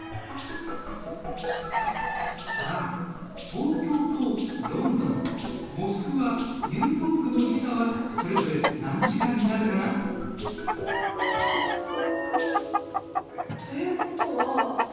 さあ東京とロンドンモスクワニューヨークの時差はそれぞれ何時間になるかな？ということはえっと